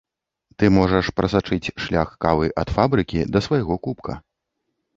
Ты можаш прасачыць шлях кавы ад фабрыкі да свайго кубка.